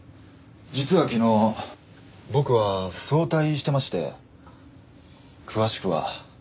実は昨日僕は早退してまして詳しくは。